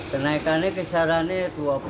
kenaikannya kisaran rp dua puluh empat